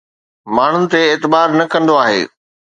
ماڻهن تي اعتبار نه ڪندو آهي